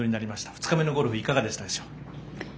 ２日目のゴルフいかがだったでしょう。